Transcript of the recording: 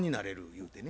言うてね。